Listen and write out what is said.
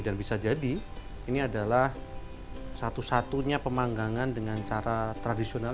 bisa jadi ini adalah satu satunya pemanggangan dengan cara tradisional